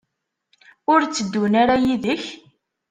Ur tteddun ara yid-k?